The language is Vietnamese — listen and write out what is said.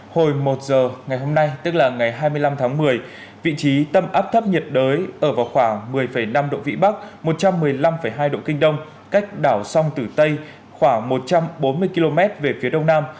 hồi một giờ ngày hôm nay tức là ngày hai mươi năm tháng một mươi vị trí tâm áp thấp nhiệt đới ở vào khoảng một mươi năm độ vĩ bắc một trăm một mươi năm hai độ kinh đông cách đảo sông tử tây khoảng một trăm bốn mươi km về phía đông nam